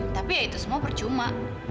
tapi ya itu semua percuma